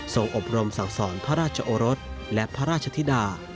อบรมสั่งสอนพระราชโอรสและพระราชธิดา